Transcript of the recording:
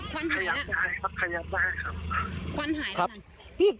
คนที่อยากได้คนยากได้